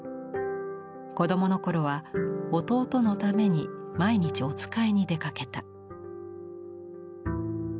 子どもの頃は弟のために毎日お使いに出かけた。